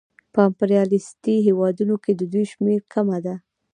په امپریالیستي هېوادونو کې د دوی شمېره کمه ده